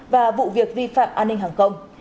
và vụ việc vi phạm an ninh hàng không